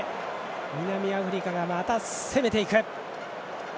南アフリカがまた攻めていく。